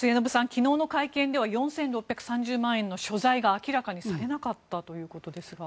昨日の会見では４６３０万円の所在が明らかにされなかったということですが。